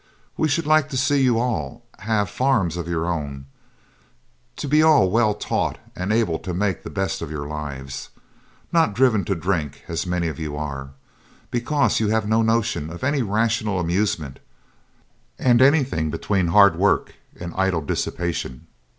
We should like to see you all have farms of your own to be all well taught and able to make the best of your lives not driven to drink, as many of you are, because you have no notion of any rational amusement, and anything between hard work and idle dissipation.'